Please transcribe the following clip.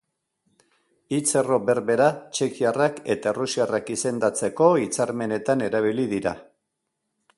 Hitz-erro berbera txekiarrak eta errusiarrak izendatzeko hitzarmenetan erabili dira.